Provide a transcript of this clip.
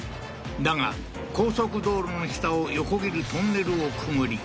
だが高速道路の下を横切るトンネルをくぐり